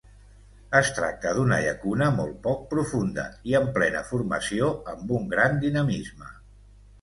Es tracta d’una llacuna molt poc profunda i en plena formació, amb un gran dinamisme.